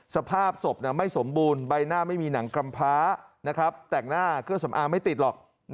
สภาพศพไม่สมบูรณ์ใบหน้าไม่มีหนังกำพ้าแต่งหน้าเครื่องสำอางไม่ติดหรอก